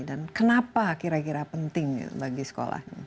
dan kenapa kira kira penting bagi sekolah